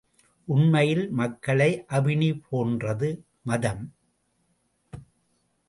உண்மையில் மக்களை அபினி போன்றது மதம்.